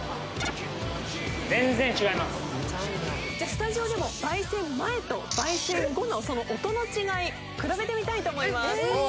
スタジオでも焙煎前と焙煎後のその音の違い比べてみたいと思います。